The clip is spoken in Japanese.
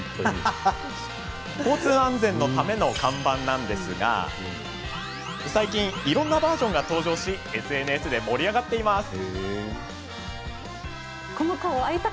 交通安全のための看板なんですが最近、いろんなバージョンが登場しＳＮＳで盛り上がっています。